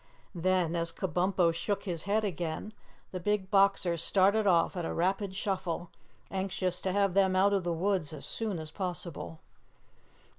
Then as Kabumpo shook his head again, the Big Boxer started off at a rapid shuffle, anxious to have them out of the woods as soon as possible.